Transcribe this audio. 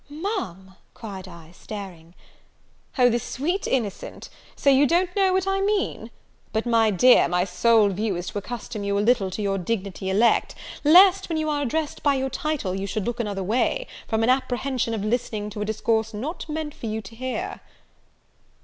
"Ma'am!" cried I, staring. "O the sweet innocent! So you don't know what I mean? but, my dear, my sole view is to accustom you a little to your dignity elect, lest, when you are addressed by your title, you should look another way, from an apprehension of listening to a discourse not meant for you to hear."